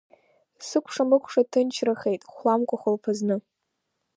Сыкәша-мыкәша ҭынчрахеит, хәламкәа хәылԥазны.